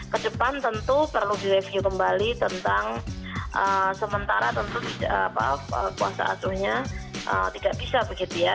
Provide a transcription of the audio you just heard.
kedepan tentu perlu direview kembali tentang sementara tentu kuasa asuhnya tidak bisa begitu ya